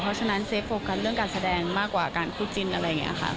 เพราะฉะนั้นเซฟโฟกัสเรื่องการแสดงมากกว่าการคู่จิ้นอะไรอย่างนี้ค่ะ